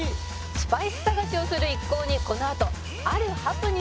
「スパイス探しをする一行にこのあとあるハプニングが起こります」